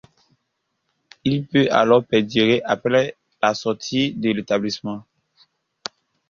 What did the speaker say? Il peut alors perdurer après la sortie de l'établissement.